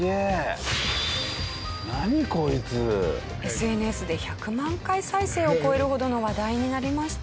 ＳＮＳで１００万回再生を超えるほどの話題になりました。